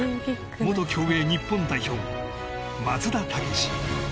元競泳日本代表松田丈志